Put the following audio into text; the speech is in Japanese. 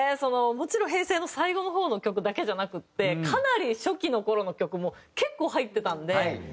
もちろん平成の最後の方の曲だけじゃなくてかなり初期の頃の曲も結構入ってたんで。